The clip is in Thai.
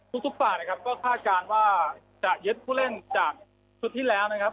ทุกฝ่ายนะครับก็คาดการณ์ว่าจะยึดผู้เล่นจากชุดที่แล้วนะครับ